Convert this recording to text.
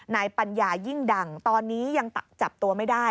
ปัญญายิ่งดังตอนนี้ยังจับตัวไม่ได้